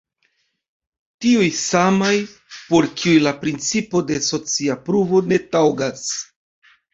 Tiuj samaj, por kiuj la principo de socia pruvo ne taŭgas.